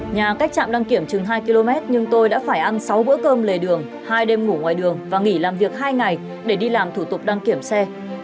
nhà cách trạm đăng kiểm chừng hai km nhưng tôi đã phải ăn sáu bữa cơm lề đường hai đêm ngủ ngoài đường và nghỉ làm việc hai ngày để đi làm thủ tục đăng kiểm xe